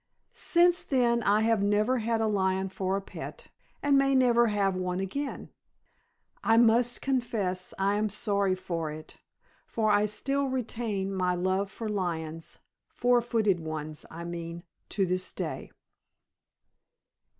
Since then I have never had a lion for a pet, and may never have one again. I must confess I am sorry for it; for I still retain my love for lions (four footed ones, I mean), to this day.